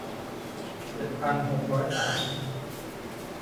เจ็ดพันหกร้อยสาม